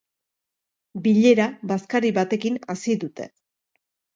Bilera bazkari batekin hasi dute.